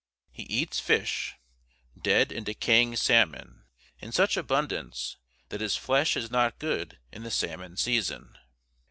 He eats fish dead and decaying salmon in such abundance that his flesh is not good in the salmon season.